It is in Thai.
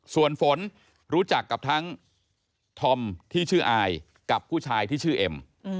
ส่วนฝนรู้จักกับทั้งธอมที่ชื่ออายกับผู้ชายที่ชื่อเอ็ม